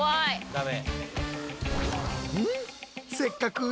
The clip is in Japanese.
ダメ？